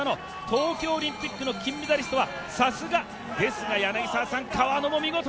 東京オリンピックの金メダリストはさすがですが、柳澤さん川野も見事！